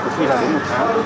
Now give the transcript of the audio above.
và có khi là đến một tháng